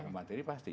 ya materi pasti